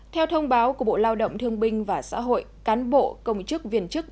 theo thông báo của bộ lao động thương binh và xã hội cán bộ công chức viên chức